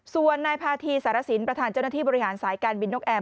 ส่วนนายพาธีสารสินประธานเจ้าหน้าที่บริหารสายการบินนกแอร์